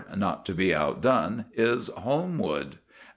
4 not to be outdone is Holmwood; No.